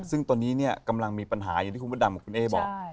ซึ่งตอนนี้เนี่ยกำลังมีปัญหาอย่างที่คุณพัฒนาบอก